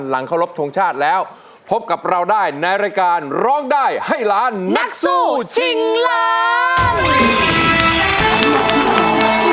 หลังเคารพทงชาติแล้วพบกับเราได้ในรายการร้องได้ให้ล้านนักสู้ชิงล้าน